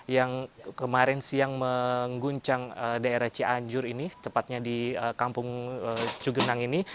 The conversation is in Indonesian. yang kemarin siang mengguncang daerah cianjur ini tepatnya di kampung cugenang ini